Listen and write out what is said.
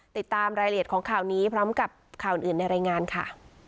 ติดตามรายละเอียดของข่าวนี้พร้อมกับข่าวอื่นในรายงานค่ะ